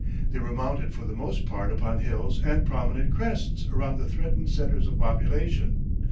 They were mounted for the most part upon hills and prominent crests around the threatened centres of population.